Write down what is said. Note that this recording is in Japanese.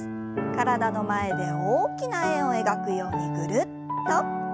体の前で大きな円を描くようにぐるっと。